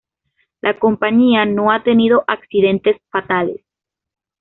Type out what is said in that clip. La compañía no ha tenido accidentes fatales.